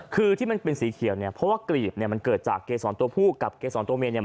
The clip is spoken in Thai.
คือที่มันเป็นสีเขียวเนี่ยเพราะว่ากรีบเนี่ยมันเกิดจากเกษรตัวผู้กับเกษรตัวเมนเนี่ย